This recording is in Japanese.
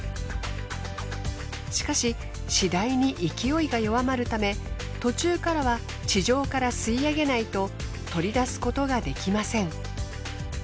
しかし次第に勢いが弱まるため途中からは地上から吸い上げないと採り出すことができません。